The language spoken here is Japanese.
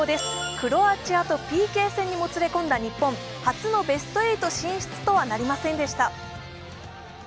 クロアチアとＰＫ戦にもつれ込んだ日本、初のベスト８進出とはなりませんでした。